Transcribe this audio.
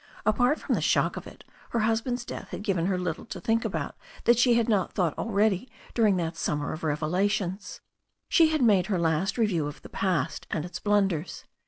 Apart from the shock of it, her husband's death had given her little to think about that she had not thought already during that summer of revelations. She had made her last review of the past and its blunders.